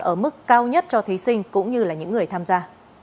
ở mức cao nhất cho thí sinh cũng như là những người tham gia